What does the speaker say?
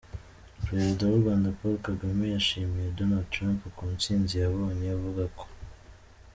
Perezida w’u Rwanda Paul Kagame yashimiye Donald Trump ku ntsinzi yabone avuga ko.